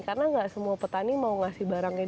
karena nggak semua petani mau ngasih barangnya dia